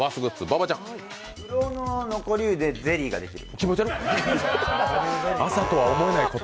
風呂の残り湯でゼリーができる。